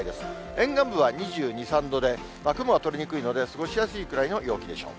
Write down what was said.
沿岸部は２２、３度で、雲は取れにくいので、過ごしやすいくらいの陽気でしょう。